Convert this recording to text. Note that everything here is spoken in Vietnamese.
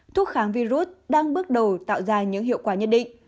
thuốc kháng virus đang bước đầu tạo ra những hiệu quả nhất định